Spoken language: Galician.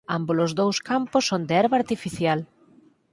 Ámbolos dous campos son de herba artificial.